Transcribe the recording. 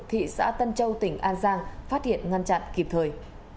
thị xã tân châu tỉnh an giang phát hiện ngăn chặn kịp thời